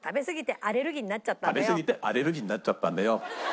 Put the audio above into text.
食べすぎてアレルギーになっちゃったんだよ。